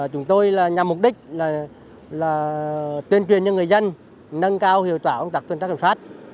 chúng tôi nhằm mục đích là tuyên truyền cho người dân nâng cao hiệu quả công tác tuần tra kiểm soát